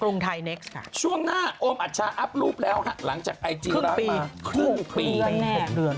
นี่ว่างแน่ฮะตรงเดือน